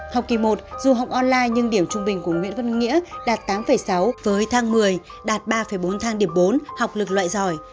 học kỳ một dù học online nhưng điểm trung bình của nguyễn văn nghĩa đạt tám sáu với thang một mươi đạt ba bốn thang điểm bốn học lực loại giỏi